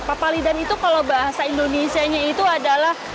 papalidan itu kalau bahasa indonesia nya itu adalah